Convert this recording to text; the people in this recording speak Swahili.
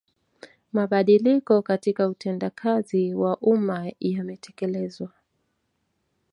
Mabadiliko katika utendakazi wa umma yametekelezwa